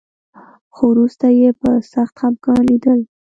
خو وروسته یې په سخت خپګان لیدل